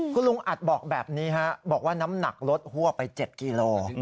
คุณลุงอัดบอกแบบนี้ฮะบอกว่าน้ำหนักลดหัวไป๗กิโล